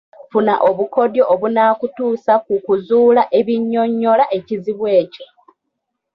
Funa obukodyo obunaakutuusa ku kuzuula ebinnyonnyola ekizibu kyo